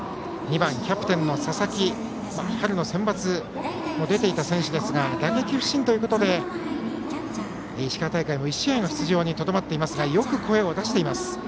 ２番、キャプテンの佐々木は春のセンバツにも出ていた選手ですが打撃不振ということで石川大会も１試合の出場にとどまっていますがよく声を出しています。